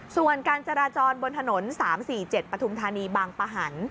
ส่วนการจราจรบนถนน๓๔๗ปฐุมธานีบางปะหัน